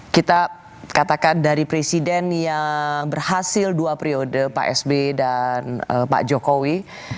kita katakan dari presiden yang berhasil dua periode pak sb dan pak jokowi